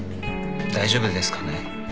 大丈夫ですかね。